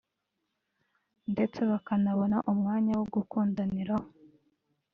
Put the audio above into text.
ndetse bakanabona umwanya wo gukundaniraho